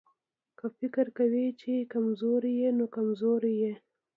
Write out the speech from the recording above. که فکر کوې چې کمزوری يې نو کمزوری يې.